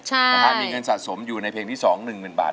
ใช่มีเงินสะสมอยู่ในเพลงที่สองหนึ่งหมื่นบาท